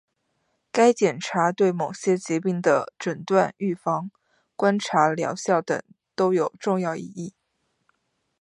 该检查对某些疾病的诊断、预防、观察疗效等都有重要意义